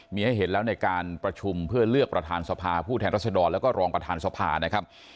มีให้เห็นแล้วในการประชุมเพื่อเลือกประธานสภาผู้แทนรัศดรแล้วก็รองประธานสภานะครับ